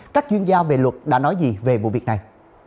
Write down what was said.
các chuyên gia về luật đã nói gì về vụ việc này